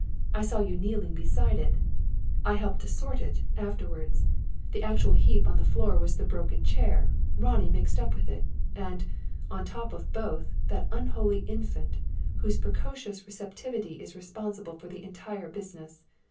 I saw you kneeling beside it. I helped to sort it, afterwards. The actual heap on the floor was the broken chair, Ronnie mixed up with it; and, on top of both, that unholy Infant, whose precocious receptivity is responsible for the entire business.